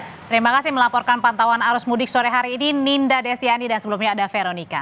terima kasih melaporkan pantauan arus mudik sore hari ini ninda desyani dan sebelumnya ada veronica